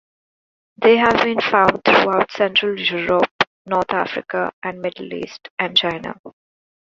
They have been found throughout central Europe, North Africa, the Middle East and China.